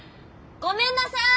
ごめんなさァい。